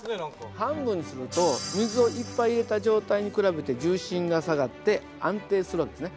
半分にすると水をいっぱい入れた状態に比べて重心が下がって安定する訳ですね。